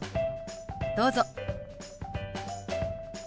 どうぞ。